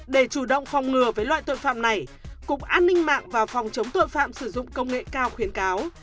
để chủ động phòng ngừa với loại tội phạm này cục an ninh mạng và phòng chống tội phạm sử dụng công nghệ cao khuyến cáo